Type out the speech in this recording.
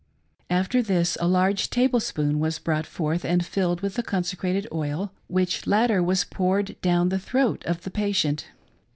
After this a large tablespoon was brought forth and filled with the consecrated oil, which latter was poured down the throat of the patient.